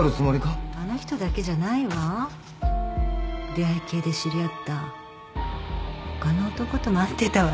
出会い系で知り合った他の男とも会ってたわよ。